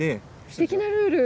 すてきなルール。